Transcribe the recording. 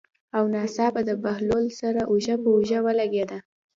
او ناڅاپه د بهلول سره اوږه په اوږه ولګېده.